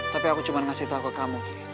tapi aku cuma ngasih tau ke kamu ki